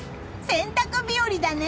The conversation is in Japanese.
洗濯日和だね！